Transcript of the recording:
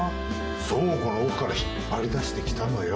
倉庫の奥から引っ張り出してきたのよ。